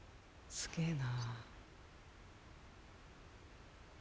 すげえな。